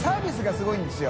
すごいんですよ。